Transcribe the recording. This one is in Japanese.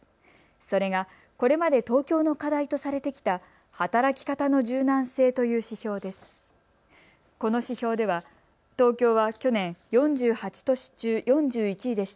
それが、これまで東京の課題とされてきた働き方の柔軟性という指標です。